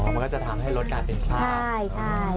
มันก็จะทำให้ลดการเป็นไข้ใช่